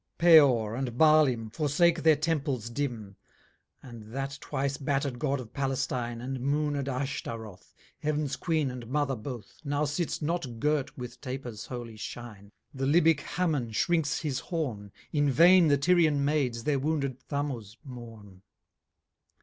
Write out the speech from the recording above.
XXII Peor, and Baalim, Forsake their Temples dim, With that twise batter'd god of Palestine, And mooned Ashtaroth, 200 Heav'ns Queen and Mother both, Now sits not girt with Tapers holy shine, The Libyc Hammon shrinks his horn, In vain the Tyrian Maids their wounded Thamuz mourn.